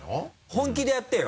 本気でやってよ？